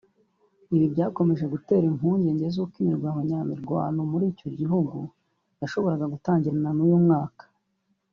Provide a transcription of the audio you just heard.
Ibi byakomeje gutera impungenge zuko imirwano nya mirwano muri icyo gihugu yashoboraga gutangirana n’uyu mwaka